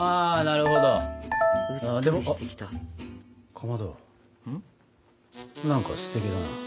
かまど何かすてきだな。